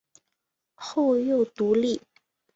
后又独立。